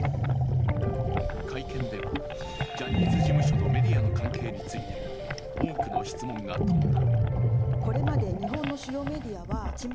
会見ではジャニーズ事務所とメディアの関係についても多くの質問が飛んだ。